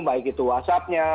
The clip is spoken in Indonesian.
baik itu whatsappnya